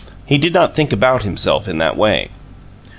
He did not think about himself in that way.